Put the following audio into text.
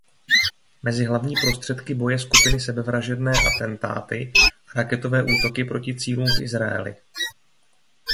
Mezi hlavní prostředky boje skupiny sebevražedné atentáty a raketové útoky proti cílům v Izraeli.